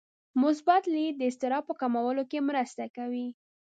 مثبت لید د اضطراب په کمولو کې مرسته کوي.